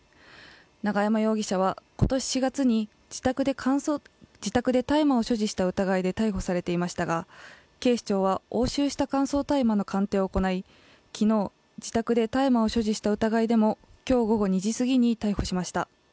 永山容疑者は今年４月に自宅で大麻を所持した疑いで逮捕されていましたが、警視庁は押収した乾燥大麻の鑑定を行い、昨日、自宅で大麻を所持した疑いでも、今日午後２時すぎに逮捕しました。